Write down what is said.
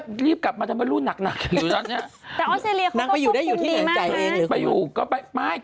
กลับมาจากประเทศเนี่ยอยู่ในเศรษฐ์